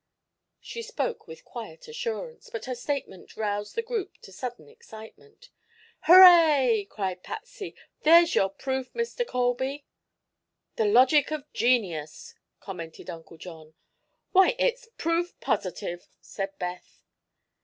She spoke with quiet assurance, but her statement roused the group to sudden excitement. "Hooray!" cried Patsy. "There's your proof, Mr. Colby." "The logic of genius," commented Uncle John. "Why, it's proof positive!" said Beth.